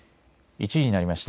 １時になりました。